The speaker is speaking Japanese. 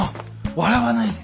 笑わないで。